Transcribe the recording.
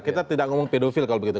kita tidak ngomong pedofil kalau begitu